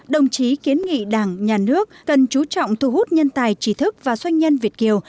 đồng chí kiến nghị đảng nhà nước cần chú trọng thu hút nhân tài trí thức và doanh nhân việt kiều